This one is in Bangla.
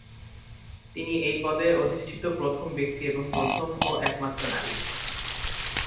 তিনি এই পদে অধিষ্ঠিত নবম ব্যক্তি এবং প্রথম ও একমাত্র নারী।